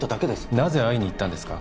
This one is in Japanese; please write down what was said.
なぜ会いに行ったんですか？